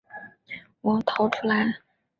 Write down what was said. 我逃出来